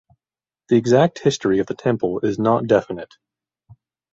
The exact history of the temple is not definite.